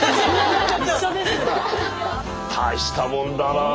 大したもんだなあ。